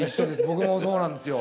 僕もそうなんですよ。